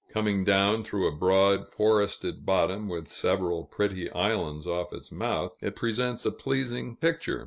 Coming down through a broad, forested bottom, with several pretty islands off its mouth, it presents a pleasing picture.